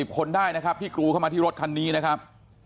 คนได้นะครับที่กรูเข้ามาที่รถคันนี้นะครับ